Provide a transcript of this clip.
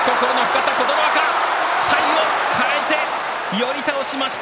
寄り倒しました。